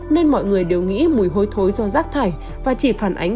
nên mọi người đều nghĩ mùi hôi thối do rác thải